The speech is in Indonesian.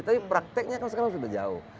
tapi prakteknya kan sekarang sudah jauh